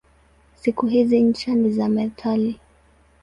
Siku hizi ncha ni za metali.